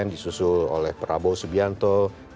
disusul oleh prabowo subianto empat puluh tujuh